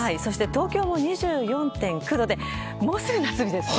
東京も２４．９度でもうすぐ夏日ですね。